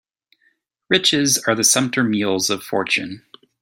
Riches are the sumpter mules of fortune.